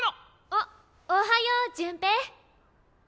あっおはよう潤平。